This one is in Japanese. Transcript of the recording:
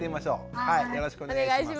よろしくお願いします。